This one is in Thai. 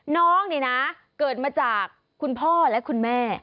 น้องนี่นะเกิดมาจากคุณพ่อและคุณแม่